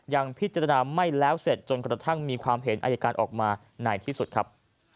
ยังพิจารณาไม่แล้วเสร็จจนกระทั่งมีความเห็นอายการออกมาในที่สุดครับ